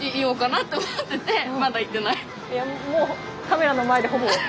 もうカメラの前でほぼ。